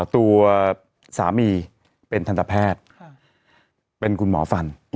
ตัวสามีเป็นทันตแพทย์เป็นคุณหมอฟัน